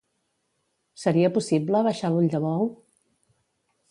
Seria possible abaixar l'ull de bou?